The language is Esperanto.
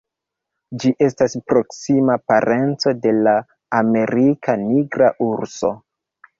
Ĝi estas proksima parenco de la Amerika nigra urso.